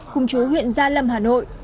cùng chú huyện gia lâm hà nội